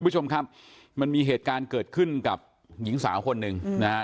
คุณผู้ชมครับมันมีเหตุการณ์เกิดขึ้นกับหญิงสาวคนหนึ่งนะฮะ